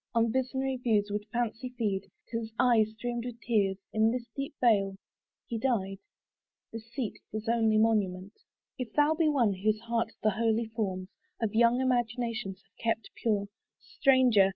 On visionary views would fancy feed, Till his eye streamed with tears. In this deep vale He died, this seat his only monument. If thou be one whose heart the holy forms Of young imagination have kept pure, Stranger!